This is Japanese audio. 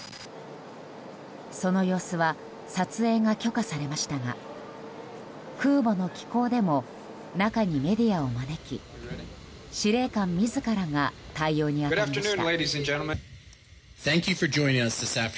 その様子は撮影が許可されましたが空母の寄港でも中にメディアを招き司令官自らが対応に当たりました。